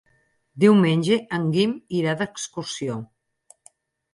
Diumenge en Guim irà d'excursió.